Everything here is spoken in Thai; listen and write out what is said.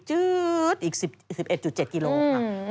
จื๊ดอีก๑๑๗กิโลกรัมครับ